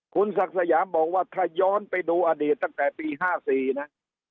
คุณศักดิ์สยามบอกว่าถ้าย้อนไปดูอดีตตั้งแต่ปี๕๔นะ